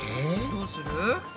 どうする？